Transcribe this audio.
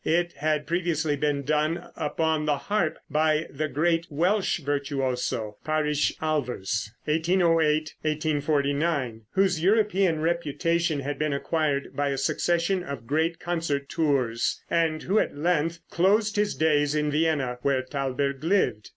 It had previously been done upon the harp by the great Welsh virtuoso, Parish Alvars (1808 1849), whose European reputation had been acquired by a succession of great concert tours, and who at length closed his days in Vienna, where Thalberg lived.